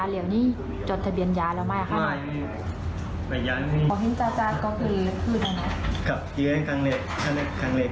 และเรียวนี้จดทะเบียนยาแล้วไม่อาคิดนะครับ